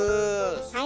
はい。